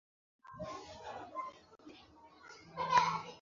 Nacido en Argel, Argelia, su verdadero nombre era Guy Chiche.